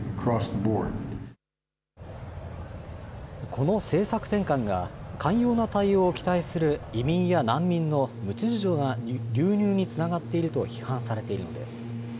この政策転換が、寛容な対応を期待する移民や難民の無秩序な流入につながっていると批判されているのです。